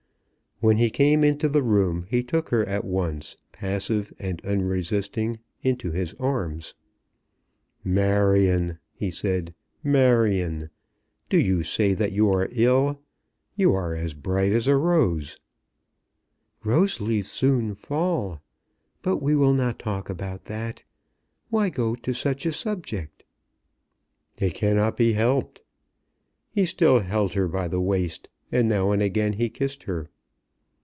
When he came into the room he took her at once, passive and unresisting, into his arms. "Marion," he said. "Marion! Do you say that you are ill? You are as bright as a rose." "Rose leaves soon fall. But we will not talk about that. Why go to such a subject?" "It cannot be helped." He still held her by the waist, and now again he kissed her.